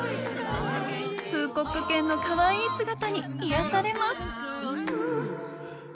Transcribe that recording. フーコック犬のかわいい姿に癒やされます。